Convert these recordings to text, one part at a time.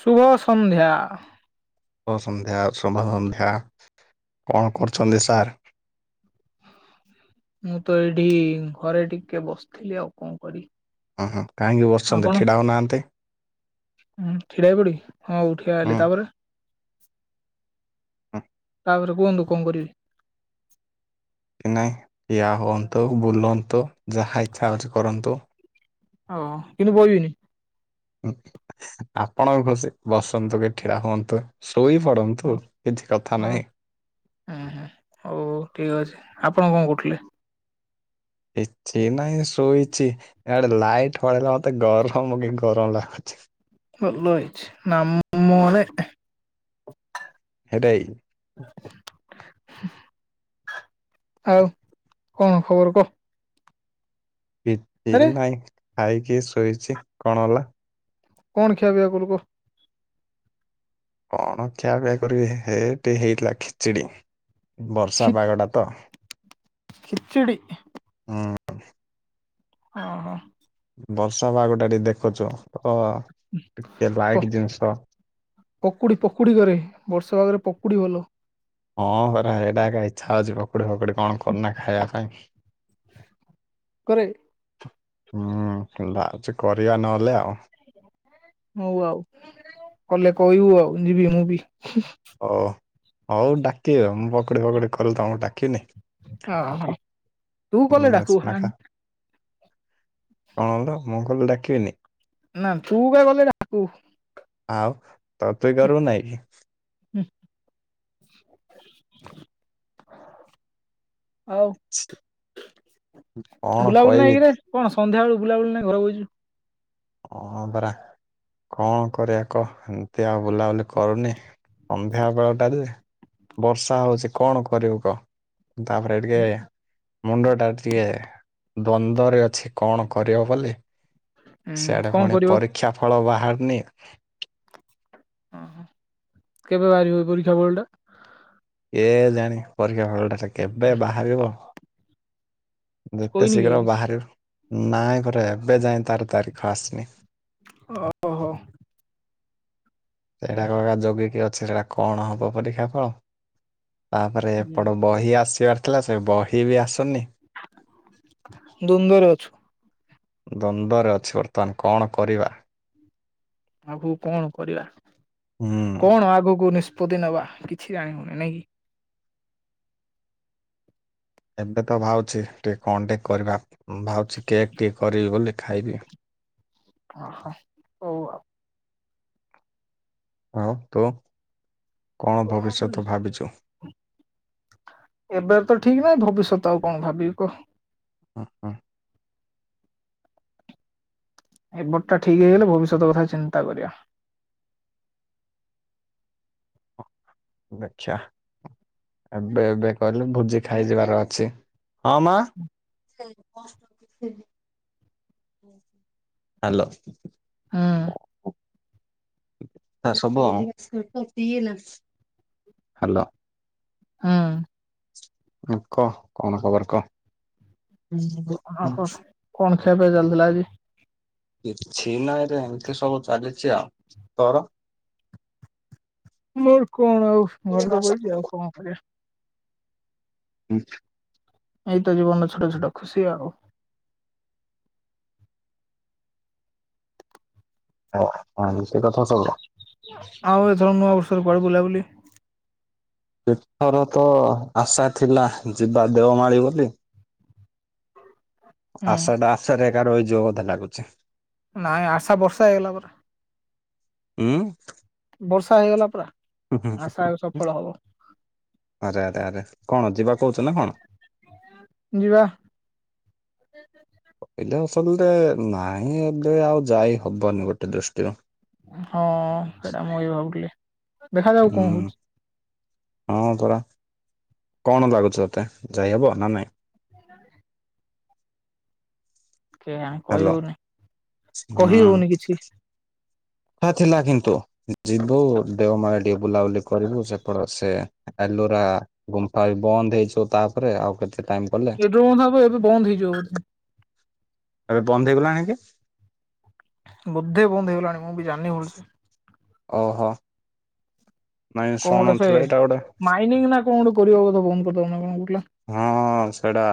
ଶୁଭସନ୍ଧ୍ୟା। ଶଭସନ୍ଧ୍ୟା ଶୋଭସନ୍ଧ୍ୟା କଣ କରୁଛନ୍ତି ସାର୍? ମୁଁ ତ ଏଇଠି ଘରେ ଟିକେ ବସିଥିଲି ଆଉ କଣ କରିବି। ହୁଁ ହୁଁ କାହିଁକି ବସିଛନ୍ତି ଛିଡ଼ା ହୋଉନାହାନ୍ତି। ହଁ ଛିଡା ହେଇ ପଡିବି, ହଁଉ ଠିଆ ହୁଁ ହେଲି ତାପରେ? ହ। ତାପରେ କୁହନ୍ତୁ କଣ କରିବେ? [inaudible] ନାଇଁ ପିଆ ହୁଅନ୍ତୁ ବୁଲନ୍ତୁ ଯାହା ଇଚ୍ଛା ହଉଛି କରନ୍ତୁ। ଓ କିନ୍ତୁ ବହିବିନି। ଆପଣ ବି ଖୁସି। ବସନ୍ତୁ କି ଠିଆ ହୁଅନ୍ତୁ ଶୋଇ ହଁ ପଡନ୍ତୁ କିଛି କଥା ହଁ ନାହିଁ। ହୁଁ ହଉ ଠିକ ଅଛି ଆପଣ କଣ କରହୁଥିଲେ। କିଛି ନାଇଁ ଶୋଇଛି [unintelligible] ଲାଇଟ ପଳେଇଲା ମତେ ଗରମ କି ଗରମ ଲାଗୁଛି। ଭଲ ହେଇଚି ନାମ ନେ ହେରେ ଆଉ କଣ ଖବର କହ। ଆରେ କୀଛି ନାଇଁ ଖାଇକି ଶୋଇଛି କଣ ହେଲା? କଣ ଖିଆପିଆ କଲୁ କ? କଣ ଖିୟାପିଆ କରିବି ହେ ଟେ ହେଇଥିଲା ଖିଚିଡି। ବର୍ଷା ପାଗ ଟା ତ। ଖିଚିଡ଼ି ହଁ ହ ହୋ ବର୍ଷା ପାଗ ଟା ଟିକେ ଦେଖୁଛୁ। ତ ଟିକେ ଲାଇଟ୍ ଜିନିଷ ପକୁଡି ପକୁଡି କରେ ବର୍ଷ ପାଗରେ ପ କୁଡ଼ି ଭଲ। ହଁ ହରା ଏଇଟା ଏକା ଇଚ୍ଛା ହଉଛି ପକୁଡି ଫକୁଡି କଣ କରିନା ଖାଇବା ପାଇଁ। କରେ ହୁଁ ଲାଉଛି କରିବା ନହେଲେ ଆଉ। ହଉ ଆଉ କଲେ କହିବୁ ଆଉ ଯିବି ମୁଁ ବି। ହଉ ହଉ ଡାକ ମୁଁ ପକୋଡି ପକଡି କଲି ତମକୁ ଡାକିନି? ଅହ ତୁ କଲେ ଡାକିବୁ। କଣଲ [unintelligible] ମୁଁ କଲ ଡାକିବିନି? ନା ତୁ କା ଗଲେ ଡ଼ାକୁ? ଆଉ ତତୁ କର ନାଇଁ କି? ହୁଁ ଆଉ ଛି କଣ ବୁଲାବୁଲି କହିବି ନାଇକିରେ କି? କଣ? ସନ୍ଧ୍ୟାବେଳୁ ବୁଲାୁ ନାହିଁ ଘର ବଇଚୁ। ହଁ ବରା କଣ କରିବା କ ଏମିତି ଆଉ ବୁଲାବୁଲି କରୁନି ସନ୍ଧ୍ୟାବେଳଟା ଯେ ବର୍ଷା ହଉଛି କଣ କରିବୁ କହ। ତାପରେ ଟିକେ ମୁଣ୍ଡଟା ଟା ଟିକେ ଦ୍ଵନ୍ଦରେ ଅଛି କଣ କରିବ ବୋଲି ହୁଁ ସଆଡେ କଣ ପୁଣି କରିବ ପରୀକ୍ଷା ଫଳ ବା ହାରିନି। ଓହ କେବେ ବାହାରିବ ପରୀକ୍ଷା ଫଳ ଟା? ଏ ଜାଣି ପରୀକ୍ଷା ଫଳ ଟା ଯେ କେବେ ବାହାରିବ? ଯେତେ କହିନି କି ଶୀଘ୍ର ଆହୁରି। ବାହାରିବ ନାଇଁ ପ ଏବେ ଯାଇଏ ତାର ତାରିଖ ଆସନି। ଓହୋ ସେଇଟା କା ଯୋଗ କିି ଅଛି ସେଇଟା କଣ ହବ ପରୀକ୍ଷା ଫଳ। ତାପରେ ଏପଟ ବହି ଆସିବାର ଥିଲା ସେ ବହି ବି ଆସୁନି। ଦ୍ୱନ୍ଦରେ ଅଛୁ। ଦ୍ୱନ୍ଦରେ ଅଛି ବର୍ତ୍ତମାନ କଣ କରିବା। ଆଉ କଣ କରିବା ହୁଁ। କଣ ଆଗକୁ ନି ପଦି ନବା କିଛି ଜାଣି ହଉନି ନାଇଁ କି? ଏବେ ତ ଭାବଛି ଟିକେ କଣଟେ କରିବା ଭାବଛି କେକ୍ ଟିକେ କରିବି ବୋଲି ଖାଇବି। ହ ହ ହଉ ଆଉ। ଆଉ ତୁ? କଣ ଭବିଷ୍ୟତ ଭାବିଛୁ? ଏବେ ତ ଠିକ ନହିଁ ଭବିଷ୍ୟ ସ ତ ଆଉ କଣ ଭାବିବି କହ? ଓ ହ। ଏପଟ ଟା ଠିକ ହେଇଗଲେ ଭବିଷ୍ୟତ କଥା ଚିନ୍ତା କରିବା। ଆଛା। ଏବେ ଏବେ କହିଲି ଭୋଜି ଖାଇଯିବାର ଅଛି ହଁ ମା। [unintelligible] ହ୍ୟାଲୋ। ହଁ। ଆ ସବୁ ଆଉ। ହ୍ୟାଲୋ। ହଁ। ହୁଁ କହ କଣ ଖବର କହ। ଖିଆ ପିଆ ଚାଲିଥିଲା ଆଜି। କିଛି ନାଇରେ ଏମିତି ସବୁ ଚାଲିଚି ଆଉ ତର? ମୋର କଣ ଆଉ ଘରେ ତ ବଇଚି ଆଉ କଣ କରିବା। [unintelligible] ଏଇତ ଜୀବନର ଛୋଟ ଛୋଟ ଖୁସି ଆଉ। [unintelligible] ଆଉ ଏଥର ନୂଆ ବର୍ଷରେ କୁଆଡେ ବୁଲାବୁଲି? ଏଥର ତ ଆଶା ଥିଲା ଯିବା ଦେଓମାଳି ବୋଲି ହୁଁ ଆଶାଟା ଆଶାରେ ଏକା ରହିଯିବ ବୋଧେ ଲାଗୁଛି। ନାଇଁ ଆଶା ବର୍ଷା ହେଇଗଲା ପରେ ଉମ୍ ବର୍ଷା ହେଇଗଲା ପୁରା ଆରେ, ଆରେ, ଆରେ, କଣ ଯିବା କହୁଛ ନା କଣ? ଯିବା। ଏପନ୍ତେ ନାହିଁ ଏବେ ଆଉ ଯାଇ ହବନି ଗୋଟେ ଦୃଷ୍ଟିରୁ। ହଁ, ସେଇଟା ମୁଁ ଏଇ ଭାବୁଥିଲି। ଦେଖାଯାଉ ହୁଁ। କଣ ହଉଛି? ହଁ ପରା, କଣ ଲାଗୁଛି ତତେ ଯାଇହବ ନା ନାଇଁ? ହ କେଜାଣି କହି ହାଲୋ ହଉନି, କହି ହଉନି କିଛି। ହଁ ଥିଲା କିନ୍ତୁ, ଯିବୁ ଦେଓମାଳ ଟିକେ ବୁଲାବୁଲି କରିବୁ ସେପଟ ସେ ଏଲୋରା ଏ ଗୁମ୍ଫା ବି ବନ୍ଦ ହେଇଯିବ ତାପରେ ଆଉ କେତେ ଟାଇମ କଲେ [unintelligible] ଏବେ ବନ୍ଦ ହେଇଯିବ ବୋଧେ। ଏବେ ବନ୍ଦ୍ ହେଇଗଲାଣିକି? ବୋଧେ ବନ୍ଦ୍ ହେଇଗଲାଣି, ମୁଁ ବି ଜାଣିନି ଭଲସେ। ଓହୋଃ, ନାଇଁ କଣ ଗୋଟେ ସେ ଶୁଣୁଥିଲେ ଏଇଟା ଗୋଟେ। ମାଇନିଂ ନା କଣ ଗୋଟେ କରିବ ବୋଧେ ବନ୍ଦ କରିଦବ ନା କଣ ଆଉ। ହଁଅ-ଅ ସେଇଟା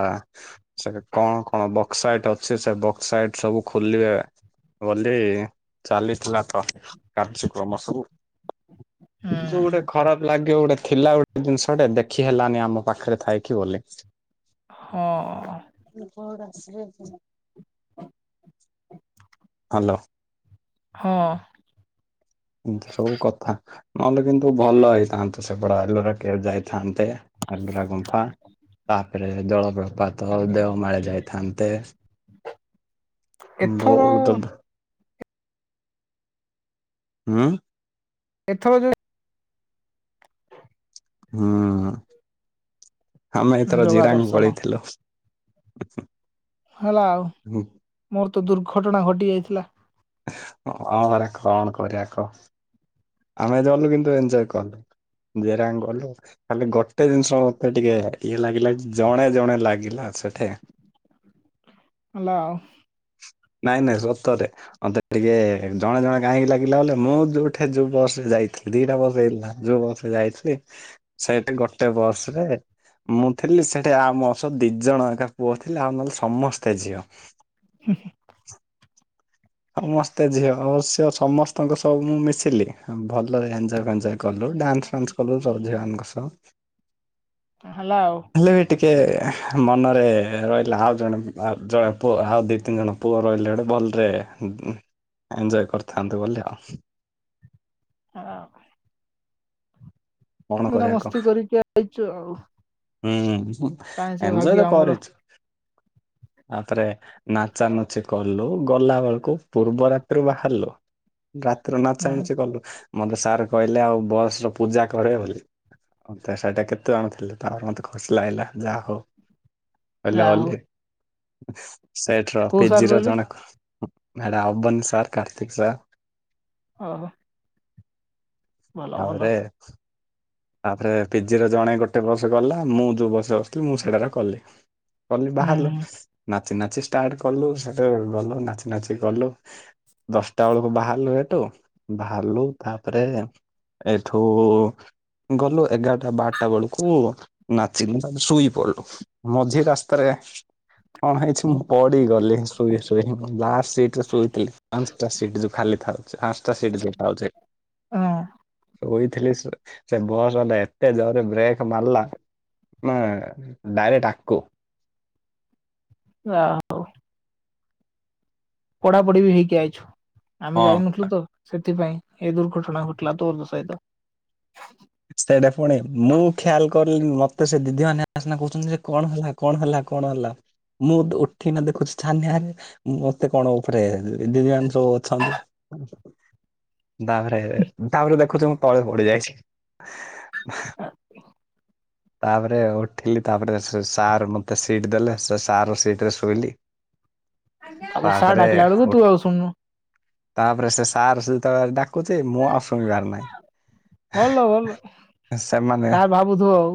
ସେ କଣ କଣ ବକ୍ସାଇଟ ଅଛି ସେ ବକ୍ସାଇଟ୍ ସବୁ ଖୋଲିବେ। ବୋଲି ଚାଲିଥିଲା ତ, କାର୍ଯ୍ୟକ୍ରମ ସବୁ। ହୁଁ ତୁ ଗୋଟେ ଖରାପ ଲାଗିବ ଗୋଟେ ଥିଲା ଗୋଟେ ଜିନିଷଟେ ଦେଖି ହେଲାନି ଆମ ପାଖରେ ଥାଇ। କି ବୋଲଲେ? ହଁ। [unintelligible] ହ୍ୟାଲୋ। ହଁ‌। ଉଁ ଏସବୁ କଥା, ନହେଲେ କିନ୍ତୁ ଭଲ ହେଇଥାନ୍ତା ସେପଟେ ଏଲୋରା କେଭ୍ ଯାଇଥାନ୍ତ୍ ତେ ଆଲମିରା ଗୁମ୍ଫା ତା ପରେ ଜଳ ପ୍ରପାତ ଦେଓମାଳି ଯାଇଥାନ୍ତେ ଏଥର ବହୁତ ଉଁ ଏଥର ଯୋଉ ହୁଁ ଉଁ ଆମେ ଯୋଉ ଏଥର ଜଗା ଜିରାଙ୍ଗ ଦର୍ଶନ ପଳେଇଥିଲୁ। [inaudible] ହେଲା ଆଉ। ହଁ ମୋର ତ ଦୁର୍ଘଟଣା ଘଟି ଯାଇଥିଲା। ହଁ ପରା କଣ କରିବା କହ? ଆମେ ଯୋଉ ଗଲୁ କିନ୍ତୁ ଏନ୍ଜୟ କଲୁ। ଜିରାଙ୍ଗ ଗଲୁ। ଖାଲି ଗୋଟେ ଜିନିଷ ମତେ ଟିକେ ଇଏ ଲାଗିଲା କି ଜଣେ ଜଣେ ଲାଗିଲା ଆଉ। ସେଠାକା? ହେଲା ଆଉ। ନାଇଁ ନାଇଁ ସତରେ। ମତେ ଟିକେ ଜଣେ ଜଣେ କାହିଁକି ଲାଗିଲା ବୋଲେ, ମୁଁ ଯୋଉଠି ଯୋଉ ବସରେ ଯାଉ ଯାଇଥିଲି ଦିଟା ବସ ହେଇଥିଲା। ଯୋଉ ବସରେ ଯାଇଥିଲି, ସେଇଠି ଗୋଟେ ବସ ରେ ମୁଁ ଥିଲି, ସେଠି ଆଉ ମୋ ସହ ଦି ଜଣ ଏକା ପୁଅ ଥିଲେ, ଆଉ ନହେଲେ ସମସ୍ତେ ଝିଅ। ହୁଁ। [inaudible] ସମସ୍ତେ ଝିଅ ଝିଅ ଅ ସମସ୍ତଙ୍କ ସବୁ ମୁଁ ମିଶିଲି ଭଲରେ ଏନ୍ଜୟ ଫେନ୍ଜୟ କଲୁ। ଡାନ୍ସ ଫାନ୍ସ କଲୁ ସବୁ ଝିଅମାନଙ୍କ ସହ ହେଲା ଆଉ। ହେଲେ ବି ଟିକେ ମନରେ ରହିଲା ଆଉ ଜଣେ ଜଣେ ପୁଅ ଆଉ ଦି ତିନି ଜଣ ପୁଅ ରହିଲେ ଗୋଟେ ବହୁ ଭଲରେ ଏନ୍ଜୟ କରିଥାନ୍ତୁ ବୋଲି ଆଉ। ହଁ। କଣ ପୁରା କରିବା କହ ମସ୍ତି କରିକି ଆଇଛୁ ଆଉ। ହୁଁ ହୁଁ। କାହିଁ ସେ ଏଞ୍ଜୟ ଭାଗ୍ୟ ତ ଆମର କରିଚି [inaudible] ତାପରେ ନାଚାନୁଚି କଲୁ, ଗଲାବେଳକୁ ପୂର୍ବ ରାତିରୁ ବାହାରିଲୁ। ରାତିର ହୁଁ ନାଚାନାଚି କଲୁ ମତେ ସାର୍ କହିଲେ ଆଉ ବସ୍ ର ପୂଜା କରିବେ ବୋଲି, ମତେ ସେଇଟା କେତେଜଣ ଥିଲେ ତାପରେ ମତେ ଖୁସି ଲାଗିଲା, ଯାହା ହଉ ହେଲେ ଯାହା ହଉ ବୋଲେ ସେଟର କୋଉ ସାର୍ ପିଜିିର କହିଲେ ଜଣେ ମ୍ୟାଡ ଅବନୀ ସାର୍, କାର୍ତ୍ତିକ ସାର୍ ଓହୋ। ଭଲ ଭଲ ତାପରେ ତାପରେ ପିଜିର ଜଣେ ଗୋଟେ ବସ ଗଲା, ମୁଁ ଯୋଉ ବସରେ ବସିଥିଲି ମୁଁ ସେଟାର କଲି କଲି ବାହାରିଲୁ। ହୁଁ ନାଚି ନାଚି ଷ୍ଟାର୍ଟ କଲୁ, ସେଟ ଗଲୁ ନାଚି ନାଚି ଗଲୁ ଦଶଟା ବେଳକୁ ବାହାରିଲୁ ହେଠୁ, ବାହାରିଲୁ ତାପରେ ଏଇଠୁ ଗଲୁ ଏଗାରଟା ବାରଟା ବେଳକୁ ନାଚିଲୁ, ତାପରେ ଶୋଇ ପଡିଲୁ। ମଝି ରାସ୍ତାରେ କଣ ହେଇଛି ମୁଁ ପଡିଗଲି ଶୋଇ ଶୋଇ। ମୁଁ ଲାଷ୍ଟ ସିଟରେ ଶୋଇଥିଲି, ପାଞ୍ଚଟା ସିଟ ଯୋଉ ଖାଲି ଥାଉଛି ପାଞ୍ଚଟା ସିଟ ଯୋଉ ଥାଉଛି। ହଁ ଶୋଇଥିଲି ଶୋଇ ସେ ବସ ବାଲା ଏତେ ଜୋର ବ୍ରେକ୍ ମାରିଲା ମୁଁ ଡାଇରେକ୍ଟ ଆକୁ ଯା ହଉ ପଢାପଢି ବି ହେଇକି ଆଇଛୁ। ଆମେ ହଁ ଯାଇନଥିଲୁ ତ ସେଠ ଏଥିପାଇଁ ଏ ଦୁର୍ଘଟଣା ଘଟିଲା ତୋର ଦ ସହିତ। ସେଇଟା ପୁଣି ମୁଁ କହିଲି ମତେ ସେ ଦିଦି ମାନେ ସିନା କହୁଛନ୍ତି ଯେ କଣ ହେଲା କଣ ହେଲା କଣ ହେଲା? ମୁଁ ତ ଉଠିକିନା ଦେଖୁଛି, ଛାନିଆରେ ମତେ କଣ ଉପରେ ଦିଦି ମାନେ ସବୁ ଅଛନ୍ତି। ତାପରେ ତାପରେ ଦେଖୁଛି ମୁଁ ତଳେ ପଡି ଯାଇଛି। ଆ [inaudible] ତାପରେ ଉଠିଲି ତାପରେ ସେ ସାର ମତେ ସିଟ ଦେଲେ ସେ ସାରର ସିଟରେ ଶୋଇଲି ତାପରେ ସାର ଡାକିଲ ବେଳକୁ ତୁ ଆଉ ଶୁଣନୁ। ତାପରେ ସେ ସାର୍ ସେ ଯେତେବେଳେ ଆଉ ଡାକୁୁଚି ମୁଁ ଆଉ ଶୁଣିବାର ନାହିଁ। ଏଲ ସେମାନେ ସାର୍ ଭାବୁଥୁବ ଆଉ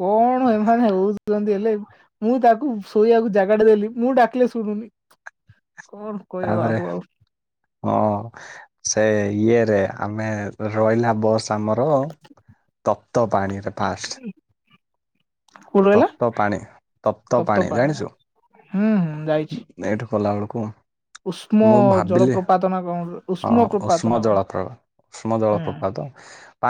କଣ ଏମାନେ ହୋଉଚ ଚନ୍ତି ହେଲେ ମୁଁ ତାକୁ ଶୋଇବାକୁ ଜାଗାଟେ ଦେଲି ମୁଁ ଡାକିଲେ ଶୁଣୁନି। କଣ କହିବ ତାପରେ ଆକୁ ଆଉ ହଁ ସେ ଏଇ ଇଏରେ ଆମେ ରହିଲା ବସ ଆମର ତପ୍ତବାଣୀରେ ଫାଷ୍ଟ କୋଉଠି ରହିଲା ତପ୍ତପାଣି ତପ୍ତପାଣି ଜାଣିଚୁ? ହୁଁ ହୁଁ ଯାଇଛି। ବେଳକୁ ଉଷ୍ମ ମୁଁ ଭାବିଲି ଜଳପ୍ରପାତ ନା କଣ ହଁ ଉଷ୍ମ ପ୍ରପାତ ନା ଉଷ୍ମ କଣ ଜଳାପ୍ରଭା ଉଷ୍ମ ହୁଁ ଜଳପ୍ରପାତ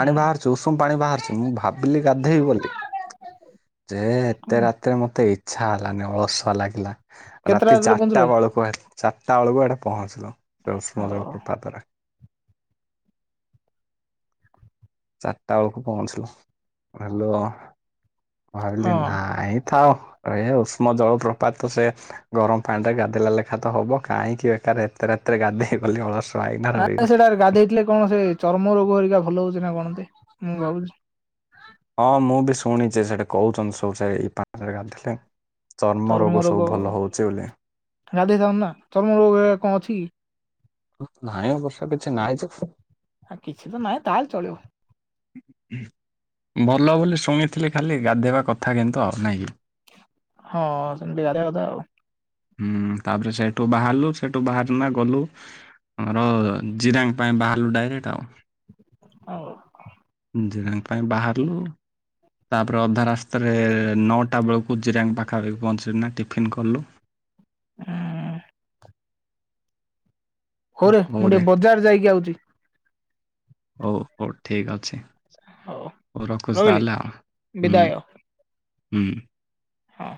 ହୁଁ ବାହାରୁଚି ଉଷୁମ ପାଣି ବାହାରୁଚି ମୁଁ ଭାବିଲି ଗାଧେଇବି ବୋଲି। ଆ ଯେ ଏ ଏତେ ରାତିରେ ମତେ ଇଚ୍ଛା ହେଲାନି ଅଳସୁଆ ଲାଗ୍ ଗିଲା କେତେଟା ରାତି ରାତିରେ ପହଞ୍ଚିଲ ଚାରିଟା କି? ବେଳକୁ ହେ-ଚାରଟା ବେଳକୁ ୟାଡେ ପହଞ୍ଚିଲୁ। ସେ ଓ ଉଷ୍ମ ଜଳ ପ୍ରପାତାର। [inaudible] ଚାରଟା ବେଳକୁ ପହଞ୍ଚିଲୁ ହଲୋ। ଭାବିଲି ହଁ ନାଇଁ ଥାଉ। ଅ-ଏ ଉଷ୍ମ ଜଳପ୍ରପାତ୍ ତ ସେ ଗରମ ପାଣିରେ ଗାଧେଇଲା ଲେଖା ତ ହବ କାହିଁକି ବେକାରରେ ଏତେ ରା ତିରେ ଗାଧେଇବି ବୋଲି ଅଳଶ ନାଇଁ ସେଟାରେ ଗାଧେଇଥିଲେ କଣ ସେ ଚର୍ମ ରୋଗ ହରିକା ଭଲ ହୋଉଚି ନା କଣତି ମୁଁ ଭାବୁଚି ହଁ ମୁଁ ବି ଶୁଣିଚି ସେଠି କୋହୁଚନ୍ତି ସବୁ ସେଇ ଏ ପାଣିରେ ଗାଧୋଇଲେ ଚର୍ମ ରୋଗ ଗାଧେଇଥାନ୍ତୁ ନା ଚର୍ମ ରୋଗ ହରିକା କଣ ଅଛିକି? ଉ-ନାହିଁ ଅବଶ୍ୟ କିଛି ନାହିଁ ଯେ ଆଉ କିଛି ତ ନହିଁ ତାହେଲେ ଚଳିବ। ଭଲ ବୋଲି ଶୁଣିଥିଲି ଖାଲି ଗାଧେଇବା କଥା କିନ୍ତୁ ଆଉ ନାଇଁ କି? ହଁ ସେମତି ଗାରେଇବା କଥା ଆଉ। ହୁଁ ତାପରେ ସେଇଠୁ ବାହାରଲୁ ସେଠୁ ବାହାର୍ ନା ଗଲୁ ଆମର ଜିରାଙ୍ଗ୍ ପାଇଁ ବାହାରଲୁ ଡାଇରେକ୍ଟ ଆଉ। ହୋଉ। ଜିରାଙ୍କ ପାଇଁ ବାହାରଲୁ। ତାପରେ ଅଧା ରାସ୍ତାରେ ନଅଟା ବେଳକୁ ଜିରାଙ୍କ ପାଖାପାଖି ପହଞ୍ଚିଲୁ ନା ଟିଫିନ୍ କଲୁ। ଉଁ। ହୋଉରେ ମୁଁ ଟିକେ ବଜାର ଯାଇକି ଆଉଚି। ହୋଉ ହୋଉ ଠିକଅଛି। ହଉ ହୋଉ ରଖୁଚି ରହିଲି ତାହେଲେ ଆଉ ହୁଁ ବିଦାୟ ହୁଁ। ହଁ।